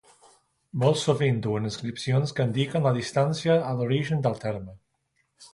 Molt sovint duen inscripcions que indiquen la distància a l'origen del terme.